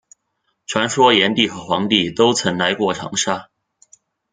传说炎帝和黄帝都曾来过长沙。